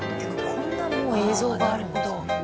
こんなもう映像があるんですね。